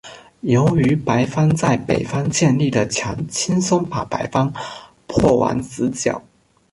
由于白方在北面建立了墙轻松把白方迫往死角。